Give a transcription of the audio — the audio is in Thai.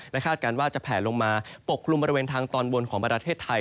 และคาดการณ์ว่าจะแผลลงมาปกคลุมบริเวณทางตอนบนของประเทศไทย